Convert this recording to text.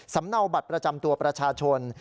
เนาบัตรประจำตัวประชาชน